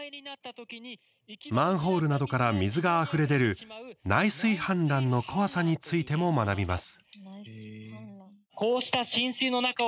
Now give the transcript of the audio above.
マンホールなどから水があふれ出る内水氾濫の怖さについても学びます。